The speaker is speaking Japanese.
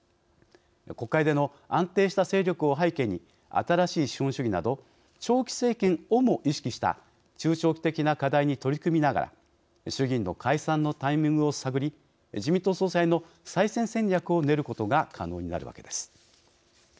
国会での安定した勢力を背景に新しい資本主義など長期政権をも意識した中長期的な課題に取り組みながら衆議院の解散のタイミングを探り自民党総裁の再選戦略を練ることが可能になるわけです。